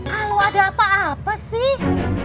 kalau ada apa apa sih